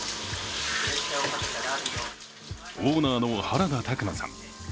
オーナーの原田卓馬さん。